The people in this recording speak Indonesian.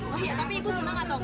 oh iya tapi itu senang atau